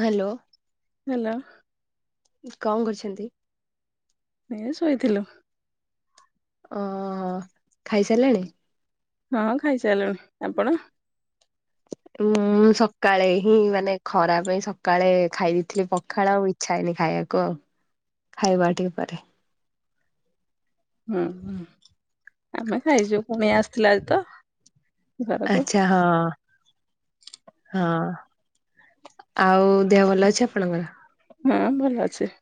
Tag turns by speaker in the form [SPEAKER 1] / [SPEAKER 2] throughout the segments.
[SPEAKER 1] Hello.
[SPEAKER 2] Hello.
[SPEAKER 1] କଣ କରିଛନ୍ତି।
[SPEAKER 2] ଏ ଶୋଇ ଥିଲୁ।
[SPEAKER 1] ଅ ହ ଖାଇସାରିଲେଣି?
[SPEAKER 2] ହଁ ଖାଇସାରିଲୁଣି। ଆପଣ?
[SPEAKER 1] ମୁଁ ସକାଳେ ହିଁ ମାନେ ଖରା ପାଇଁ ସକାଳେ ଖାଇ ଦେଇେଥିଲି ପଖାଳ ଆଉ। ଇଚ୍ଛା ହେଇନି ଖାଇବାକୁ ଆଉ ଖାଇବା ଟିକେ ପରେ।
[SPEAKER 2] ହୁ ଆମେ ଖାଇଛୁ କୁଣିଆ ଆସିଥିଲା ଆଜି ତ ଘରକୁ।
[SPEAKER 1] ଆଚ୍ଛା ହଁ। ହଁ ଆଉ ଦେହ ଭଲ ଅଛି ଆପଣଙ୍କର।
[SPEAKER 2] ହୁଁ ଭଲ ଅଛି।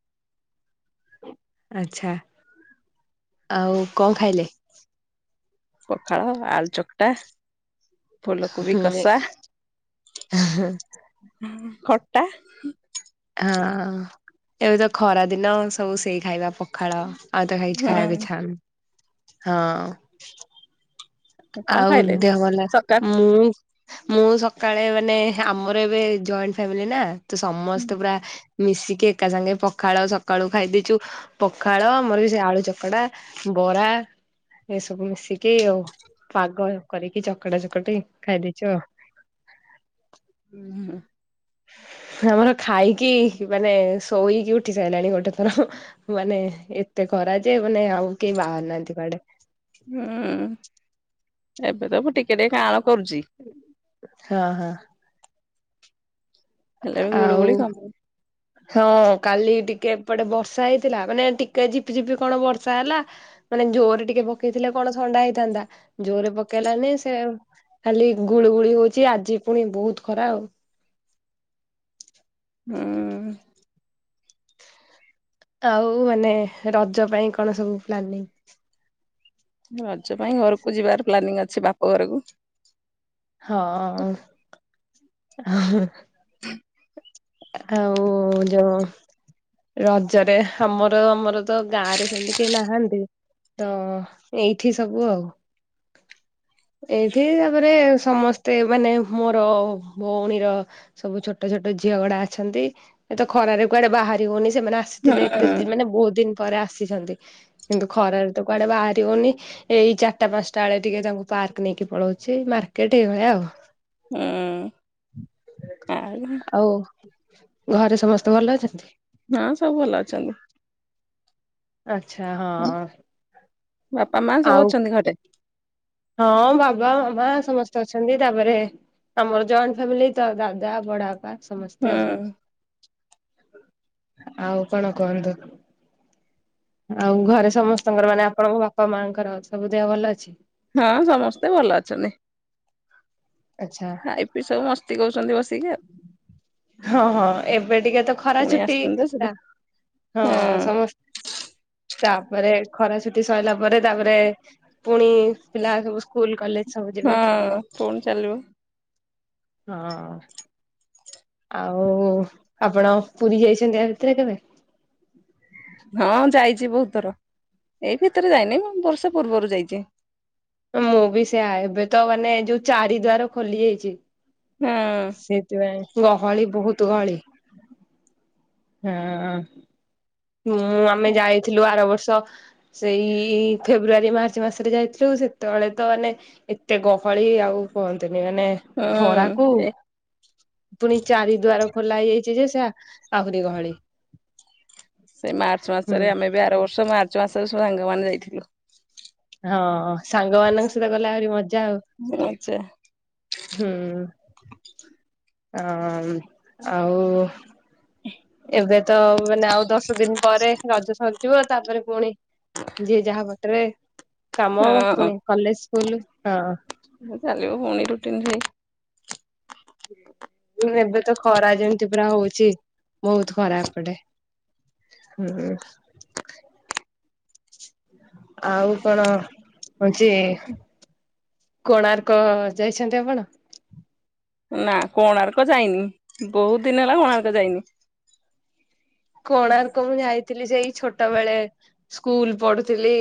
[SPEAKER 1] ଆଚ୍ଛା ଆଉ କଁ ଖାଇଲେ।
[SPEAKER 2] ପଖାଳ ଆଳୁ ଚକଟା। ଫୁଲ କୋବି
[SPEAKER 1] ହୁଁ
[SPEAKER 2] କଷା ଖଟା।
[SPEAKER 1] ହଁ ଏବେ ତ ଖରା ଦିନ ସବୁ ସେଇ ଖାଇବା ପ ପଖାଳ ଆଉ ତ କାଇଁ କିଛି ଖାଇବାକୁ ଇଚ୍ଛା ହଉନି ହଁ।
[SPEAKER 2] ହୁଁ କଣ
[SPEAKER 1] ଆଉ
[SPEAKER 2] ଖାଇଲେ
[SPEAKER 1] ଦେହ ଭଲ
[SPEAKER 2] ସକା
[SPEAKER 1] ମୁଁ। ମୁଁ ସକାଳେ ମାନେ ଆମର ଏବେ ଜଏଣ୍ଟେ ଫ୍ୟାମିଲିନା ତ
[SPEAKER 2] ହୁଁ
[SPEAKER 1] ସମସ୍ତେ ପୁରା। ମିଶିକି ଏକା ସାଙ୍ଗେ ପଖାଳ ସକାଳୁ ଖାଇଦେଇଛୁ। ପଖାଳ ଆମର ବି ସେ ଆଳୁ ଚକଡା ବରା ଏସବୁ ମିଶିକି ଆଉ। ପାଗ କରିକି ଚକଡା ଚକଟି ଖାଇ ଦେଇଛୁ ଆଉ।
[SPEAKER 2] ହୁଁ।
[SPEAKER 1] ଆମର ଖାଇକି ମାନେ ଶୋଇକି ଉଠି ସାଇଲାଣି ଗୋଟେ ଥର। ମାନେ ଏତେ ଖରା ଯେ ମାନେ ଆଉ କେହି ବାହାରୁ ନାହାନ୍ତି କୁଆଡେ।
[SPEAKER 2] ହୁଁ ଏବେ ତାକୁ ଟିକେ ଟିକେ କାଆଁଳ କରୁଛି।
[SPEAKER 1] ହଁ ହଁ।
[SPEAKER 2] ହେଲେ
[SPEAKER 1] ଆ
[SPEAKER 2] ବି ଗୁଳୁ
[SPEAKER 1] ଆଉ।
[SPEAKER 2] ଗୁଳି କମୁନି।
[SPEAKER 1] ହଁ କାଲି ଟିକେ ଏପଟେ ବର୍ଷା ହେଇଥିଲା ମାନେ ଟିକେ ଝିପିଝିପି କଣ ବର୍ଷା ହେଲା। ମାନେ ଜୋରେ ଟିକେ ପକେଇଥିଲେ କଣ ଥଣ୍ଡା ହେଇଥାନ୍ତା ଜୋରେ ପକେଇଲାନି ସେ ଖାଲି ଗୁଳିୁ ଗୁଳି ହଉଛି ଆଜି ପୁଣି ବହୁତ୍ ଖରା ଆଉ।
[SPEAKER 2] ହୁଁ।
[SPEAKER 1] ଆଉ ମାନେ ରଜ ପାଇଁ କଣ ସବୁ ପ୍ଲାନିଂ?
[SPEAKER 2] ରଜ ପାଇଁ ଘରକୁ ଯିବାର ପ୍ଲାନିଂ ଅଛି ବାପ ଘରକୁ।
[SPEAKER 1] ହ ଅ। ଆ ଆଉ ଯୋଉଁ ରଜରେ ହାମର ଆମର ତ ଗାଁ ରେ ସେମ୍ ତି କେହି ନାହାନ୍ତି ତ ଏଇଠି ସବୁ ଆଉ। ଏଇଠି ତାପରେ ସମସ୍ତେ ମାନେ ମୋର ଭଉଣୀର ସବୁ ଛୋଟ ଛୋଟ ଝିଅ ଗୁଡା ଅଛନ୍ତି ଏ ତ ଖରାରେ କୁଆଡେ ବାହାରି ହଉନି ସେମାନେ
[SPEAKER 2] ହୁଁ
[SPEAKER 1] ଆସିଥିଲେ ଏତେ ଦି
[SPEAKER 2] ହୁଁ।
[SPEAKER 1] ମାନେ ବହୁତ୍ ଦିନ ପରେ ଆସିଛନ୍ତି କିନ୍ତୁ ଖରାରେ ତ କୁଆଡେ ବାହାରିହଉନି ଏଇ ଚାର୍ ଟା ପାଞ୍ଚ୍ ଟା ବେଳେ ଟିକେ ତାଙ୍କୁ ପାର୍କ ନେଇକି ପଳଉଛି ମାର୍କେଟ ଏଇଭଳିଆ ଆଉ।
[SPEAKER 2] ହୁଁ ଆଉ
[SPEAKER 1] ଓ ଘରେ ସମସ୍ତେ ଭଲ ଅଛନ୍ତି?
[SPEAKER 2] ହଁ ସବୁ ଭଲ ଅଛନ୍ତି।
[SPEAKER 1] ଆଚ୍ଛା ହଁ।
[SPEAKER 2] ବାପା ମା ସବୁ
[SPEAKER 1] ଆଉ
[SPEAKER 2] ଅଛନ୍ତି ଘରେ?
[SPEAKER 1] ହଁ ବାବା ମାମା ସମସ୍ତେ ଅଛନ୍ତି ତାପରେ ଆମର ଜଏଣ୍ଟ୍ ଫ୍ୟାମିଲି ତ ଦାଦା ବଡ ବାପା ସମସ୍ତେ ଆଉ।
[SPEAKER 2] ହୁଁ।
[SPEAKER 1] ଆଉ କଣ କୁହନ୍ତୁ? ଆଉ ଘରେ ସମସ୍ତଙ୍କର ମାନେ ଆପଣଙ୍କ ବାପା ମାଆଙ୍କର ସବୁ ଦେହ ଭଲ ଅଛି?
[SPEAKER 2] ହଁ ସମସ୍ତେ ଭଲ ଅଛନ୍ତି।
[SPEAKER 1] ଆଚ୍ଛା।
[SPEAKER 2] ଏବେ ସବୁ ମସ୍ତି କରୁଚନ୍ତି ବସିକି ଆଉ।
[SPEAKER 1] ହଁ ହଁ ଏବେ ଟିକେ ତ ଖରା
[SPEAKER 2] ପୁଣି
[SPEAKER 1] ଛୁଟି
[SPEAKER 2] ଆସିଛନ୍ତି ତ ସେଟା
[SPEAKER 1] ଟା ହଁ ସମ ତାପରେ ଖରା ଛୁଟି ସଇଲା ପରେ ତାପରେ ପୁଣି ପିଲା ସବୁ ସ୍କୁଲ କଲେ
[SPEAKER 2] ହଁ ପୁଣି ଚାଲିବ।
[SPEAKER 1] ହଁ। ଆଉ ଆପଣ ପୁରୀ ଯାଇଚନ୍ତି ଆ ଭିତରେ କେବେ?
[SPEAKER 2] ହଁ ଯାଇଛି ବହୁତ୍ ଥର ଏଇ ଭିତରେ ଯାଇନି ମୁଁ ବର୍ଷେ ପୂର୍ବରୁ ଯାଇଚି।
[SPEAKER 1] ମୁଁ ବି ସେୟା ଏବେ ତ ମାନେ ଯୋଉ ଚାରି ଦ୍ୱାର ଖୋଲି ଯାଇଚି
[SPEAKER 2] ହଁ।
[SPEAKER 1] ସେଇଥିପାଇଁ ଗହଳି ବହୁତ୍ ଗଳି। ହଁ ମୁଁ ଆମେ
[SPEAKER 2] ହୁଁ
[SPEAKER 1] ଯାଇଥିଲୁ ଆର ବର୍ଷ ସେଇ ଫେବୃଆରୀ ମାର୍ଚ୍ଚ ମାସରେ ଯାଇଥିଲୁ ସେତବେଳେ ତ ନେ ଏତେ ଗହଳି ଆଉ କୁହନ୍ତୁନି ମାନେ ଖରାକୁ ପୁଣି ଚାରି ଦୁଆର ଖୋଲା ହେଇଯାଇଚି ଯେ ସେ ଆହୁରି ଗହଳି।
[SPEAKER 2] ସେ ମାର୍ଚ୍ଚ
[SPEAKER 1] ହୁଁ
[SPEAKER 2] ମାସରେ ଆମେ ବି ଆର ବର୍ଷ ମାର୍ଚ୍ଚ ମାସରେ ସବୁ ଆଙ୍ଗ ମାନେ ଯାଇଥିଲୁ।
[SPEAKER 1] ହଁ ସାଙ୍ଗମାନଙ୍କ ସହିତ ଗଲେ ଆହୁରି ମଜା ଆଉ।
[SPEAKER 2] ଆଚ୍ଛା
[SPEAKER 1] ହୁଁ ଅ ଆଉ
[SPEAKER 2] [unintelligible]
[SPEAKER 1] ଏବେ ତ ଆଉ ମାନେ ଆଉ ଦଶଦିନ ପରେ ରଜ ସରିଯିବ ତାପରେ ପୁଣି ଯିଏ ଯାହା ବାଟରେ କାମ ପୁଣି କଲେଜ୍ ସ୍କୁଲ୍ ହଁ।
[SPEAKER 2] ଚାଲିବ ପୁଣି ରୁଟିନ୍ ଭାଇ।
[SPEAKER 1] ଉଁ ଏବେ ତ ଖରା ଯେମ୍ ତି ପୁରା ହଉଚି ବହୁତ ଖରା ଏପଟେ। ହୁଁ। ଆଉ କଣ? ହଉଚି କୋଣାର୍କ ଯାଇଛନ୍ତି ଆପଣ?
[SPEAKER 2] ନା କୋଣାର୍କ ଯାଇନି ବହୁତଦିନ ହେଲା କୋଣାର୍କ ଯାଇନି।
[SPEAKER 1] କୋଣାର୍କ ମୁଁ ଯାଇଥିଲି ସେଇ ଛୋଟବେଳେ ସ୍କୁଲ ପଢୁଥିଲି।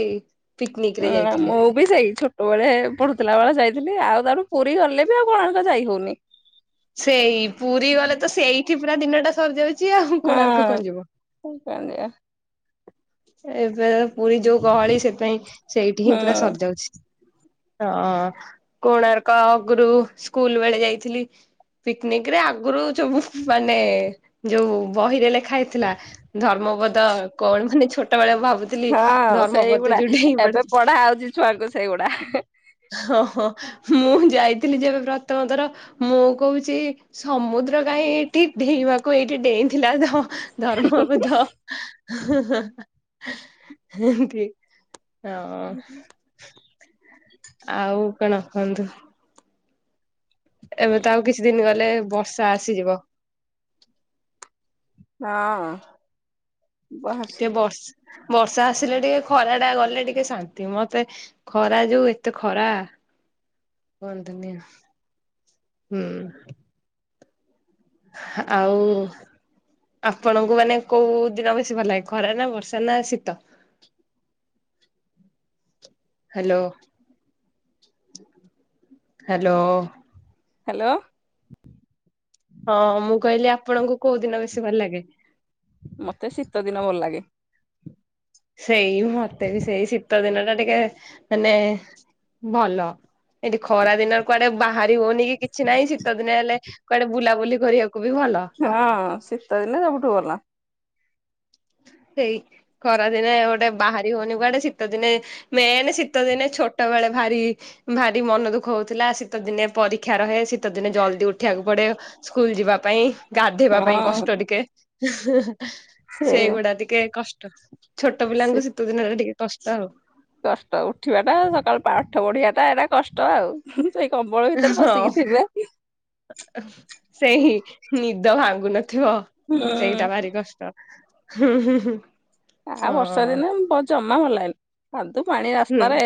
[SPEAKER 1] ପିକନିକ ରେ
[SPEAKER 2] ଏ
[SPEAKER 1] ଯାଇଥିଲି।
[SPEAKER 2] ମୋ ଉ ବି ସେଇ ଛୋଟବଳେ ପଢୁଥିଲାବଳେ ଯାଇଥିଲି ଆଉ ତାଠୁ ପୁରୀ ଗଲେ ବି ଆଉ କୋଣାର୍କ ଯାଇହଉନି।
[SPEAKER 1] ସେଇ ପୁରୀ ଗଲେତ ସେଇଠି ପୁରା ଦିନଟା ସରିଯାଉଚି ଆଉ
[SPEAKER 2] ହଁ
[SPEAKER 1] କୋଣାର୍କ କଣ ଯିବ?
[SPEAKER 2] କଣ କରିବା।
[SPEAKER 1] ଏବେ ଯ ପୁରୀ ଯୋଉ ଗହଳି ସେଥିପାଇଁ ସେଇଠିହିଁ ପୁରା
[SPEAKER 2] ହୁଁ
[SPEAKER 1] ସରିଯାଉଚି। ହଁ କୋଣାର୍କ ଅଗୁରୁ ସ୍କୁଲବେଳେ ଯାଇଥିଲି। ପିକନିକରେ ଆଗୁରୁ ଯୋଉମାନେ ଯୋଉ ବହିରେ ଲେଖା ହେଇଥିଲା। ଧର୍ମପଦ କଣ ମାନେ ଛୋଟବଳେ ଭାବୁ
[SPEAKER 2] ହଁ ସେଇଗୁଡା ଏବେ ପଢାହଉଚି ଛୁଆଙ୍କୁ ସେଇଗୁଡା।
[SPEAKER 1] ହଁ ହଁ ମୁଁ ଯାଇଥିଲି ଯେବେ ପ୍ରଥମଥର ମୁଁ କହୁଚି। ସମୁଦ୍ର କାଇଁ ଏଇଠି ଡେଇଁବାକୁ ଏଇଠି ଡେଇଁଥିଲା ତ। ଧର୍ମପଦ ଏମତି। ହଁ। ଆଉ କଣ କହନ୍ତୁ? ଏବେ ତ ଆଉ କିଛିଦିନ ଗଲେ ବର୍ଷା ଆସିଯିବ।
[SPEAKER 2] ହଁ। ବସ
[SPEAKER 1] ଟିକେ ବର୍ଷ ବର୍ଷା ଆସିଲେ ଟିକେ ଖରାଟା ଗଲେ ଟିକେ ଶାନ୍ତି ମତେ। ଖରା ଯୋଉ ଏତେ ଖରା କୁହନ୍ତୁନି ଆଉ। ହୁଁ। ହା ଆଉ ଆପଣଙ୍କୁ ମାନେ କୋଉଦିନ ବେଶୀ ଭଲ ଲାଗେ ଖରା ନା ବର୍ଷା ନା ଶୀତ? ହାଲୋ। ହାଲୋ।
[SPEAKER 2] ହାଲୋ।
[SPEAKER 1] ହଁ ମୁଁ କହିଲି ଆପଣଙ୍କୁ କୋଉଦିନ ବେଶୀ ଭଲ ଲାଗେ?
[SPEAKER 2] ମତେ ଶୀତଦିନ ଭଲ ଲାଗେ।
[SPEAKER 1] ସେଇ ମତେ ବି ସେଇ ଶୀତଦିନ ଟା ଟିକେ ମାନେ ଭଲ। ଏଠି ଖରାଦିନ କୁଆଡେ ବାହାରି ହଉନି କି କିଛି ନାଇଁ ଶୀତଦିନେ ହେଲେ କୁଆଡେ ବୁଲାବୁଲି କରିବାକୁ ବି ଭଲ।
[SPEAKER 2] ହଁ ଶୀତଦିନେ ସବୁଠୁ ଭଲ।
[SPEAKER 1] ହେଇ ଖରାଦିନେ ଗୋଟେ ବାହାରି ହଉନି କୁଆଡେ ଶୀତଦିନେ ମେନ ଶୀତଦିନେ ଛୋଟବଳେ ଭାରି ଭାରି ମନଦୁଃଖ ହଉଥିଲା ଶୀତଦିନେ ପରୀକ୍ଷା ରହେ ଶୀତଦିନେ ଜଲଦି ଉଠିବାକୁ ପଡେ। ସ୍କୁଲ ଯିବାପାଇଁ। ଗାଧେଇବା ପାଇଁ
[SPEAKER 2] ହଁ
[SPEAKER 1] କଷ୍ଟ ଟିକେ
[SPEAKER 2] ସେ
[SPEAKER 1] ସେଇଗୁଡା ଟିକେ କଷ୍ଟ।
[SPEAKER 2] ସେ
[SPEAKER 1] ଛୋଟପିଲାଙ୍କୁ ଶୀତଦିନରେ ଟିକେ କଷ୍ଟ ଆଉ।
[SPEAKER 2] କଷ୍ଟ ଉଠିବାଟା ସକାଳୁ ପାଠ ପଢିବାଟା ଏଟା କଷ୍ଟ ଆଉ। ଅ ଭିତରେ
[SPEAKER 1] ହଁ
[SPEAKER 2] ପସିକିଥିବ।
[SPEAKER 1] ସେଇ ନିଦ ଭାଙ୍ଗୁନଥିବ
[SPEAKER 2] ହୁଁ
[SPEAKER 1] ସେଇଟା ଭାରି କଷ୍ଟ। ହୁଁ ହୁଁ ହୁଁ।
[SPEAKER 2] ଆଉ ବର୍ଷା
[SPEAKER 1] ହଁ
[SPEAKER 2] ଦିନେ ଜମା ଭଲାଗିଲ ଖାଧୁଅ ପାଣି
[SPEAKER 1] ହୁଁ
[SPEAKER 2] ରାସ୍ତାରେ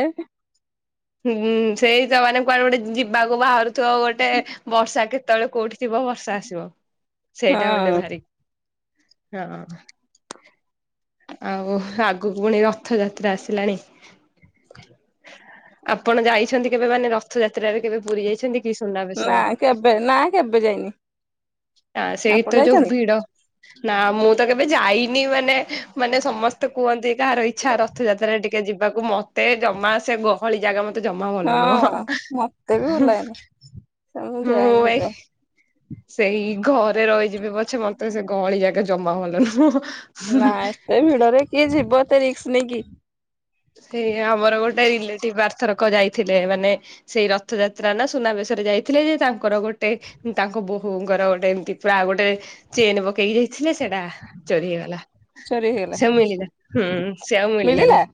[SPEAKER 1] ହୁଁ ସେଇ ତ ମେ କୁଆଡେ ଗୋଟିଏ ଯିବାକୁ ବାହାରୁଥିବ ଗୋଟିଏ ବର୍ଷା କେତେବେଳେ କୋଉଠି ଥିବ ବର୍ଷା ଆସିବ ସେଇଟା
[SPEAKER 2] ହଁ
[SPEAKER 1] ଗୋଟିଏ ଭାରି ହଁ। ଆଉ ଆଗକୁ ପୁଣି ରଥଯାତ୍ରା ଆସିଲାଣି। ଆପଣ ଯାଇଛନ୍ତି କେବେ ମାନେ ରଥଯାତ୍ରାରେ ବି କେବେ ପୁରୀ ଯାଇଛନ୍ତି କି ସୁନା ବେଶ
[SPEAKER 2] ନା କେବେ ନା କେବେ ଯାଇନି ଆପଣ
[SPEAKER 1] ସେଇତ ଯୋଉ
[SPEAKER 2] ଯାଇଛନ୍ତି
[SPEAKER 1] ଭିଡ ନା ମୁଁ ତ କେବେ ଯାଇନି ମାନେ ମାନେ ସମସ୍ତେ କୁହନ୍ତି କାହାର ଇଛା ର ରଥଯାତ୍ରାରେ ଟିକିଏ ଯିବାକୁ ମତେ ଜମା ସେ ଗହଳି ଜାଗା ମତେ ମତେ ଜମା ଭଲ
[SPEAKER 2] ହଁ ମତେ ବି
[SPEAKER 1] ନୁହଁ
[SPEAKER 2] ଭଲ ଲାଗେନି
[SPEAKER 1] ମୁଁ
[SPEAKER 2] ଯାଏନି
[SPEAKER 1] ଭାଇ
[SPEAKER 2] ସେଥିପାଇଁ
[SPEAKER 1] ସେଇ ଘରେ ରହିଯିବି ପଛେ ମତେ ସେ ଗହଳି ଯାକା ଜମା ଭଲ ନୁହଁ।
[SPEAKER 2] ନା ଏତେ ଭିଡରେ କିଏ ଯିବ ଏତେ ରିକ୍ସ ନେଇକି
[SPEAKER 1] ସେଇ ଆମର ଗୋଟିଏରିଲେଟିଭ ପାର୍ଥକ ଯାଇଥିଲେ ମାନେ ସେଇ ରଥ ଯାତ୍ରା ନା ସୁନାବେଶରେ ଯାଇଥିଲେ ଯେ ତାଙ୍କର ଗୋଟେ ତାଙ୍କ ବୋହୂଙ୍କର ଗୋଟିଏଏମତି ପୁରା ଗୋଟାଏ ଚେନ୍ ପକେଇ ଯାଇଥିଲେ ସେଟା ଚୋରି ହେଇଗଲା
[SPEAKER 2] ଚୋରି ହେଇଗଲା
[SPEAKER 1] ସେ ମିଳିଲା ହୁଁ ସେ ଆଉ
[SPEAKER 2] ମିଳିଲା
[SPEAKER 1] ମିଳିଲାନି।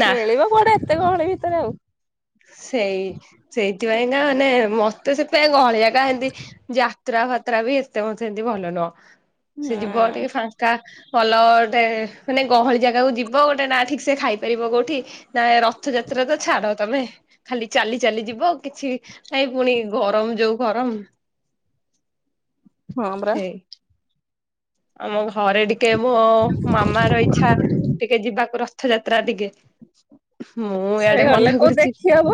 [SPEAKER 1] ନା
[SPEAKER 2] ମିଳିବ କୋଆଡେ ଏତେ ଗହଳି ଭିତରେ ଆଉ।
[SPEAKER 1] ସେଇ ସେଇଥିପାଇଁ କା ମାନେ ମ ତ ସେଥିାଇଁ ଗହଳିଆ କା ଏମତି ଯାତ୍ରା ଫାତ୍ରା ବି ଏତେ ମୋ ସେମତି ଭଲ ନୁହଁ। ସେ ଯିବ ଟିକିଏ
[SPEAKER 2] ହୁଁ
[SPEAKER 1] ଫାଙ୍କା ଭଲ ଗୋଟାଏ ମାନେ ଗହଳି ଜାଗାକୁ ଯିବ ଗୋଟିଏ ନା ଠିକ୍ ସେ ଖାଇ ରହିବ କୋଉଠି ନା ରଥଯାତ୍ରା ତ ଛାଡ ତମେ ଖାଲି ଚାଲି ଚାଲି ଯିବ କିଛି ନାଇଁ ପୁଣି ଗରମ ଯୋଉ ଗରମ।
[SPEAKER 2] ହଁ ପରା।
[SPEAKER 1] ହେଇ ଆମ ଘରେ ଟିକିଏ ମୋ ମାମାର ଇଛା ଟିକିଏଯିବାକୁ ରଥଯାତ୍ରା ଟିକେ। ମୁଁ
[SPEAKER 2] ସେଇ
[SPEAKER 1] ଇଆଡେ
[SPEAKER 2] ଗଲେ
[SPEAKER 1] ମନା
[SPEAKER 2] କୋଉ
[SPEAKER 1] କରୁଛି
[SPEAKER 2] ଦେଖି ହବ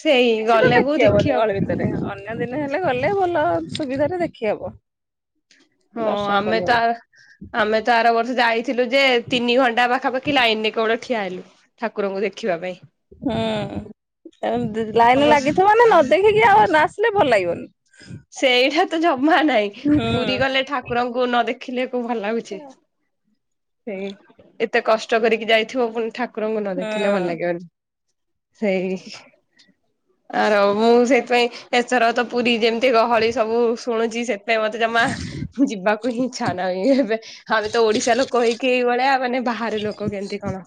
[SPEAKER 1] ସେଇ
[SPEAKER 2] କିଛି ତ
[SPEAKER 1] ଗଲେ ବୋ
[SPEAKER 2] ହବନି
[SPEAKER 1] ଦେଖି ହବ।
[SPEAKER 2] ଗହଳି ଅନ୍ୟ ଦିନ ହେଲେ ଗଲେ ଭଲ ସୁବିଧାରେ ଦେଖିହବ।
[SPEAKER 1] ହଁ ଆମେ ତ ଆମେ ତ ଆର ବର୍ଷେ ଯାଇଥିଲୁ ଯେ ତିନି ଘଣ୍ଟା ପାଖାପାଖି ଲାଇନରେ କେବବେଳ ଠିଆ ହେଲୁ। ଠାକୁରଙ୍କୁ ଦେଖିବା ପାଇଁ।
[SPEAKER 2] ହୁଁ ଲାଇନ
[SPEAKER 1] ଅବଶ୍ୟ
[SPEAKER 2] ଲାଗିଥିବ ନା ନ ଦେଖିକି ଆଉ ଆସିଲେ ଭଲ ଲାଗିବନି।
[SPEAKER 1] ସେଇଟା ତ ଜମା ନାହିଁ
[SPEAKER 2] ହୁଁ
[SPEAKER 1] ପୁରୀ ଗଲେ ଠାକୁରଙ୍କୁ ନ ଦେଖିଲେ କ ଭଲ ଲାଗୁଛି। ସେଇ ଏତେ କଷ୍ଟ କରିକି ଯାଇଥିବ ପୁଣି ଠାକୁରଙ୍କୁ ନ
[SPEAKER 2] ହୁଁ
[SPEAKER 1] ଦେଖିଲେ ଭଲ ଲାଗିବନି। ସେଇ ଆର ମୁଁ ସେଇଥିପାଇଁ ଏସର ତ ପୁରୀ ଯେମିତି ଏତେ ଗହଳି ସବୁ ଶୁଣୁଛି ସେଥିପଁ ମତେ ଜମା ଯିବାକୁ ହିଁ ଇଚ୍ଛା ନାହିଁ ଏବେ ଆମେ ତ ଓଡିଶା ଲୋକ ହେଇକି ଏଇ ଭଳିଆ ମାନେ ବାହାରେ ଲୋକ କେମିତି କଣ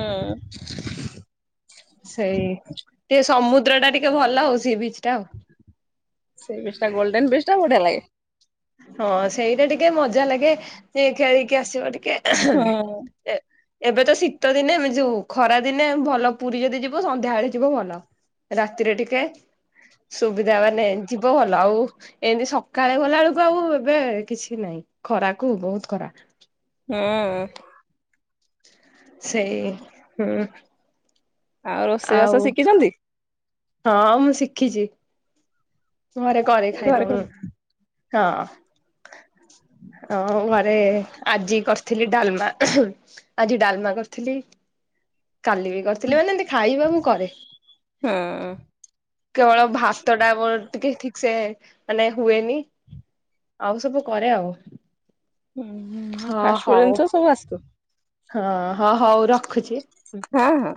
[SPEAKER 2] ହଁ।
[SPEAKER 1] ସେଇ ଟିକିଏ ସମୁଦ୍ର ଟା ଟିକିଏ ଭଲ ହଉ ସି ବିଚ ଟା ଆଉ।
[SPEAKER 2] ସେଇ ବିଚ୍ ଟା ଗୋଲଡେ ବେଶ ଟା ବଢିଆ ଲାଗେ।
[SPEAKER 1] ହଁ ସେଇଟା ଟିକିଏ ମଜା ଲାଗେ ଖେଳିକି ଆସିବ
[SPEAKER 2] ହୁଁ
[SPEAKER 1] ଟିକିଏ। ଏବେ ତ ଶୀତ ଦିନେ ଏମ ଯ ଖରା ଦିନେ ଭଲ ପୁରୀ ଯଦି ଯିବ ସନ୍ଧ୍ୟାବେଳେ ଯିବ ଭଲ। ରାତିରେ ଟିକିଏ ସୁବିଧା ମାନେ ଯିବ ଭଲ ଆଉ ଏମିତି ସକାଳେ ଗଲା ବେଳକୁ ଆଉ ଏବେ କିଛି ନାଇଁ ଖରାକୁ ବହୁତ ଖରା।
[SPEAKER 2] ହଁ।
[SPEAKER 1] ସେଇ ହୁଁ।
[SPEAKER 2] ଆଉ ରୋଷେଇବାସ ଶିଖିଛନ୍ତି?
[SPEAKER 1] ହଁ ମୁଁ ଶିଖିଛି। ଘରେ କରେ
[SPEAKER 2] ଘରେ
[SPEAKER 1] ଖାଇବା ମୁଁ ହଁ। ଆଉ ଘରେ ଆଜି କରିଥିଲି ଡାଲମା। ଆଜି ଡାଲମା କରିଥିଲି କାଲି ବି କରିଥିଲି ମାନେ ଏମିତି ଖାଇବା ମୁଁ କରେ।
[SPEAKER 2] ହୁଁ।
[SPEAKER 1] କେବଳ ଭାତଟା ମୋର ଟିକେ ଠିକ୍ ସେ ମାନେ ହୁଏନି। ଆଉ ସବୁ କରେ ଆଉ।
[SPEAKER 2] ହଁ ଫାଷ୍ଟ ଫୁଡ଼ ଜିନିଷ ସବୁ ଆସିବ?
[SPEAKER 1] ହଁ ହଁ ହଉ ରଖୁଚି।
[SPEAKER 2] ହୁଁ ହୁଁ।